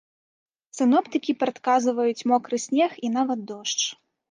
Сіноптыкі прадказваюць мокры снег і нават дождж.